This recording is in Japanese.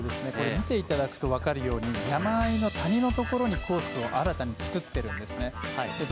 見ていただくと分かるように山あいの谷のところにコースを新たに作っているんです。